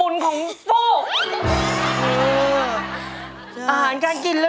ตุ๋นอะไรขี้อาย